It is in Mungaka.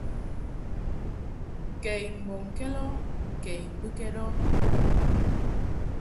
Kɛ i mbɔŋkɛd ɔ kɛ I mbɨkɛd ɔ.